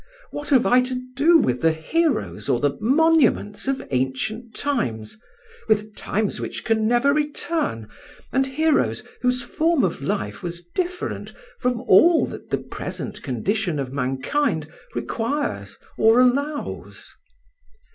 What have I to do with the heroes or the monuments of ancient times—with times which can never return, and heroes whose form of life was different from all that the present condition of mankind requires or allows?"